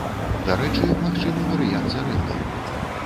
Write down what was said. Дарэчы, магчымы варыянт з арэндай.